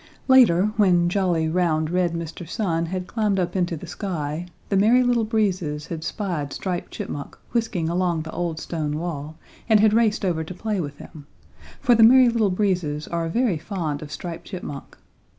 Later, when jolly, round, red Mr. Sun had climbed up into the sky, the Merry Little Breezes had spied Striped Chipmunk whisking along the old stone wall and had raced over to play with him, for the Merry Little Breezes are very fond of Striped Chipmunk.